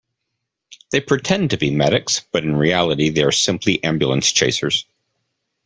They pretend to be medics, but in reality they are simply ambulance chasers.